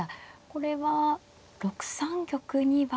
これは６三玉には。